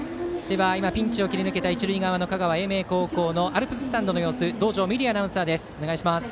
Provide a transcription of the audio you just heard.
今ピンチを切り抜けた一塁側香川・英明のアルプススタンドの様子道上美璃アナウンサーです。